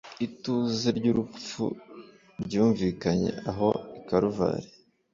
ituze ry’urupfu ryumvikanye aho i kaluvari